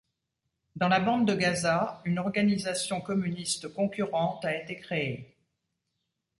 Dans la Bande de Gaza, une organisation communiste concurrente a été créée.